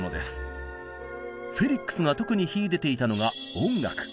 フェリックスが特に秀でていたのが音楽。